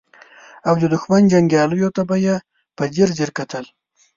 او د دښمن جنګياليو ته به يې په ځير ځير کتل.